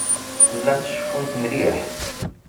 Llant ceffunt mliḥ.